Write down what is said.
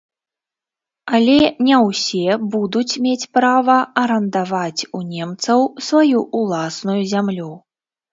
Але не ўсе будуць мець права арандаваць у немцаў сваю ўласную зямлю.